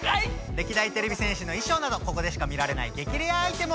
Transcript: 歴代てれび戦士の衣装などここでしか見られない激レアアイテムを展示！